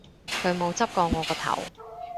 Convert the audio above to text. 佢冇執過我個頭